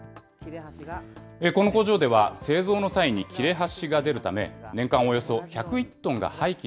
この工場では製造の際に切れ端が出るため、年間およそ１０１